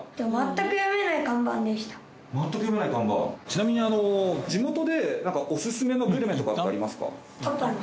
ちなみに地元でオススメのグルメとかってありますか？